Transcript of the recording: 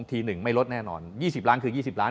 ที๑ไม่ลดแน่นอน๒๐ล้านคือ๒๐ล้าน